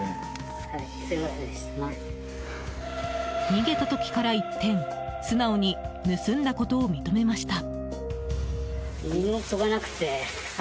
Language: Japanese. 逃げた時から一転素直に盗んだことを認めました。